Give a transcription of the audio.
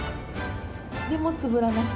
でも、つぶらな瞳。